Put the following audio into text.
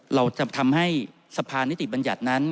เราจะทำให้สะพานนิติบัญญัตินั้น